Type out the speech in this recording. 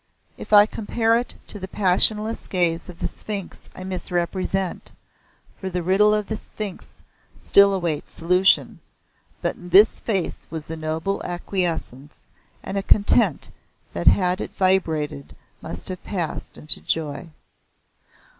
If I compare it to the passionless gaze of the Sphinx I misrepresent, for the Riddle of the Sphinx still awaits solution, but in this face was a noble acquiescence and a content that had it vibrated must have passed into joy.